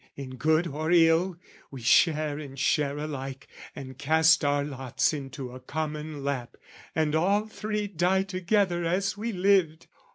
"In good or ill, we share and share alike, "And cast our lots into a common lap, "And all three die together as we lived!